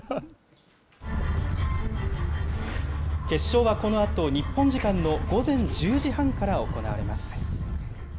決勝はこのあと、日本時間の午前１０時半から行われます。